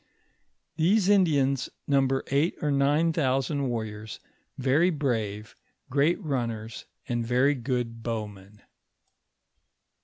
These Indians num ber eight or nine thousand warriors, veiy brave, great run ners, and very good bowmen.